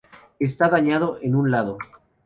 Está dañado en un lado.